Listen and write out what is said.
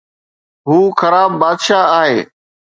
هو خراب بادشاهه آهي